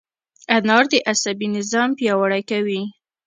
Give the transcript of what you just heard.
انار د عصبي نظام پیاوړی کوي.